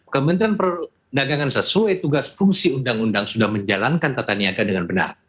kementerian perdagangan sesuai tugas fungsi undang undang sudah menjalankan tata niaga dengan benar